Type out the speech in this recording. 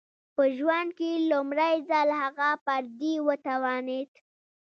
په ژوند کې لومړی ځل هغه پر دې وتوانېد